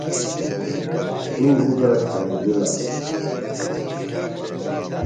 دُو اُبرہ کھݨِجِلہ۔